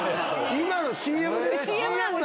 今のＣＭですか？